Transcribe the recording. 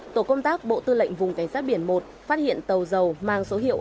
tổ công tác bộ tư lệnh vùng cảnh sát biển một phát hiện tàu dầu mang số hiệu